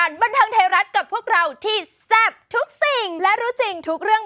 อ่าไม่แหละครับไม่แหละครับ